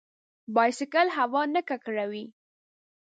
بایسکل هوا نه ککړوي.